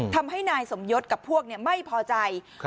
ทำให้นายสมยศกับพวกเนี่ยไม่พอใจค่ะ